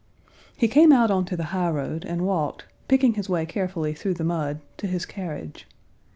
He came out on to the highroad and walked, picking his way carefully through the mud, to his carriage.